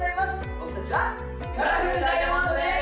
僕達はカラフルダイヤモンドです！